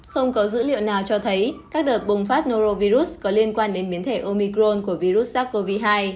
không có dữ liệu nào cho thấy các đợt bùng phát norovirus có liên quan đến biến thể omicron của virus sars cov hai